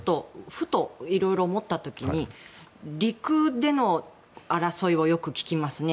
ふと、いろいろ思った時に陸での争いはよく聞きますね。